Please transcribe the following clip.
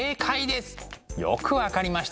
よく分かりましたね。